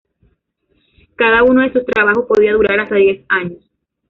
Cada uno de sus trabajos podía durar hasta diez años.